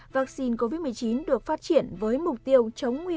vaccine covid một mươi chín được phát triển với mục tiêu chống nguy cơ